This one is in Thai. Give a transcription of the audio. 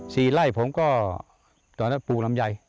ซี่ไร่ตอนนั้นพูดน้ำย้าย